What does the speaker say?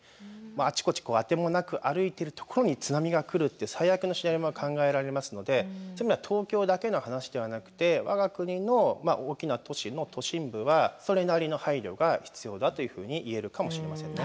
あちこちあてもなく歩いてるところに津波が来るって最悪のシナリオが考えられますのでそういう意味では東京だけの話ではなくて我が国の大きな都市の都心部はそれなりの配慮が必要だというふうに言えるかもしれませんね。